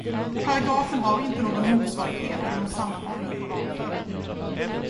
Paragrafen har inte någon motsvarighet inom sammanhållen journalföring.